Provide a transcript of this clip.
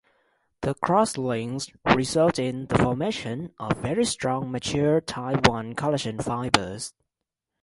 The cross-links result in the formation of very strong mature type one collagen fibers.